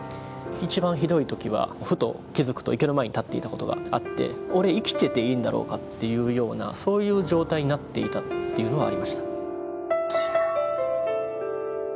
一番ひどい時はふと気付くと池の前に立っていたことがあって俺生きてていいんだろうかっていうようなそういう状態になっていたっていうのはありました。